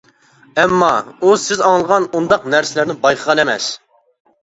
ئەمما ئۇ سىز ئاڭلىغان ئۇنداق نەرسىلەرنى بايقىغان ئەمەس.